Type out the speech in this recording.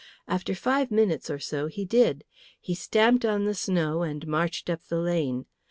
After five minutes or so he did. He stamped on the snow and marched up the lane.